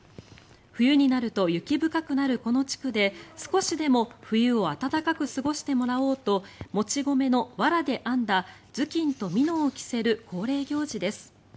冬になると雪深くなるこの地区で少しでも冬を暖かく過ごしてもらおうともち米のわらで編んだ頭巾とみのを着せる恒例行事です。